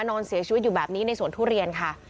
นอนเสียชีวิตอยู่แบบนี้ในสวนทุเรียนค่ะ